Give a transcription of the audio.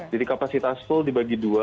jadi kapasitas full dibagi dua